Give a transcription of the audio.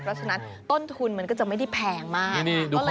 เพราะฉะนั้นต้นทุนมันก็จะไม่ได้แพงมาก